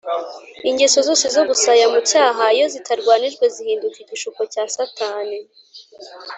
ingeso zose zo gusaya mu cyaha iyo zitarwanijwe zihinduka igishuko cya satani,